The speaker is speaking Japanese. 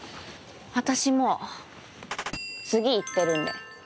私もう次行ってるんで。